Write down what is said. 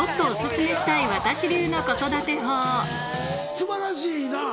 素晴らしいな。